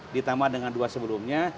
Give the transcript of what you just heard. ditambah dengan dua sebelumnya